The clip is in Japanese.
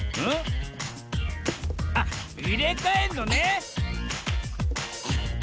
あっいれかえんのね！